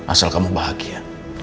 asal kamu bahagia